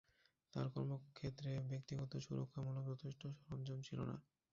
তার কর্মক্ষেত্রে ব্যক্তিগত সুরক্ষামূলক যথেষ্ট সরঞ্জাম ছিল না।